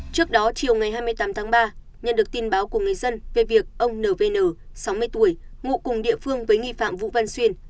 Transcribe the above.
trước đó chiều hai mươi tám ba nhận được tin báo của người dân về việc ông n v n sáu mươi tuổi ngụ cùng địa phương với nghi phạm vũ văn xuyên